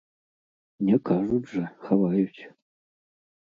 Не кажуць жа, хаваюць.